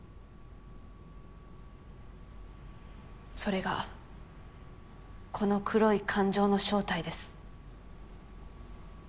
それがこの黒い感情の正体です。